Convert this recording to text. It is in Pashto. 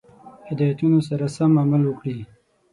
هدایتونو سره سم عمل وکړي.